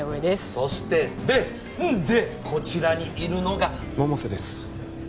そしてでんでこちらにいるのが百瀬です